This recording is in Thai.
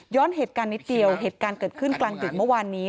เหตุการณ์นิดเดียวเหตุการณ์เกิดขึ้นกลางดึกเมื่อวานนี้